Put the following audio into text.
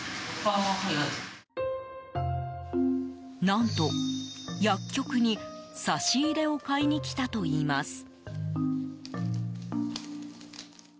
何と薬局に差し入れを買いにきたといいます。